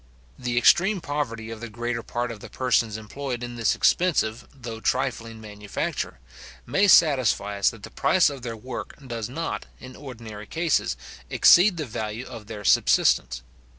The extreme poverty of the greater part of the persons employed in this expensive, though trifling manufacture, may satisfy us that the price of their work does not, in ordinary cases, exceed the value of their subsistence.